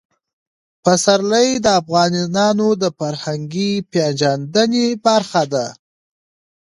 پسرلی د افغانانو د فرهنګي پیژندنې برخه ده.